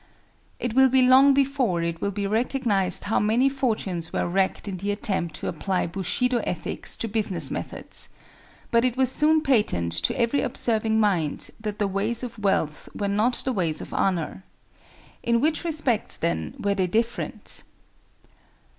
It will be long before it will be recognized how many fortunes were wrecked in the attempt to apply Bushido ethics to business methods; but it was soon patent to every observing mind that the ways of wealth were not the ways of honor. In what respects, then, were they different?